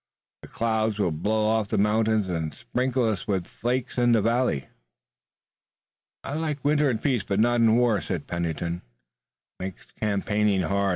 The clouds will blow off the mountains and sprinkle us with flakes in the valley." "I like winter in peace, but not in war," said Pennington. "It makes campaigning hard.